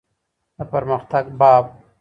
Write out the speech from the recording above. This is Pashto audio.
د پرمختګ باب.